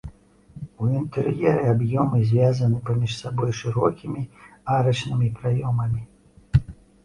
У інтэр'еры аб'ёмы звязана паміж сабой шырокімі арачнымі праёмамі.